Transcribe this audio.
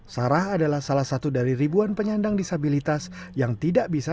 sarah adalah salah satu dari ribuan penyandang disabilitas yang tidak bisa